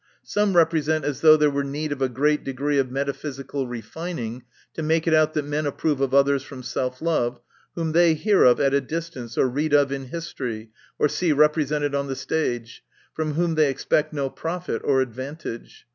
Some represent as though there were need of a great degree of metaphysical refining to make it out, that men .approve of others from self love, whom they hear of at a distance, or read of in history, or see represented on the stage, from whom they expect no profit or advantage.